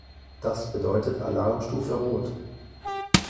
Das bedeutet Alarmstufe Rot.